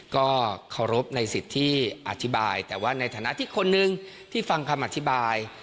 ก็เคารพในสิทธิ์ที่อธิบายแต่ว่าในฐานะที่คนหนึ่งที่ฟังคำอธิบาย